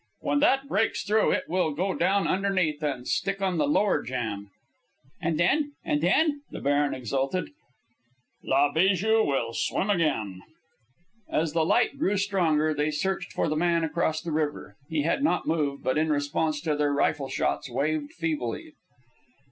When that breaks through, it will go down underneath and stick on the lower jam." "And then? and then?" The baron exulted. "La Bijou will swim again." As the light grew stronger, they searched for the man across the river. He had not moved, but in response to their rifle shots waved feebly.